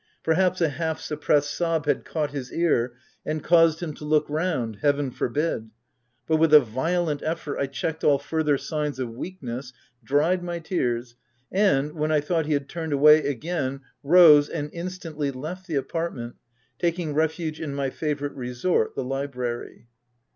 Perhaps, a half sup pressed sob had caught his ear, and caused him to look round — Heaven forbid ! But, with a violent effort, I checked all further signs of weakness, dried my tears, and, when 1 thought he had turned away again, rose, and instantly left the apartment, taking refuge in my fa vourite resort, the library.